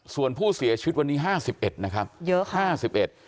ส่วนผู้เสียชีวิตวันนี้ห้าสิบเอ็ดนะครับเยอะค่ะห้าสิบเอ็ด